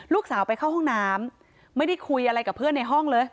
ลูกสาวไปเข้าห้องน้ำไม่ได้คุยอะไรกับเพื่อนในห้องเลย